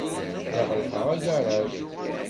La ɣellqeɣ agaṛaj.